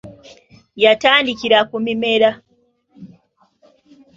Yatandikira ku Mimera.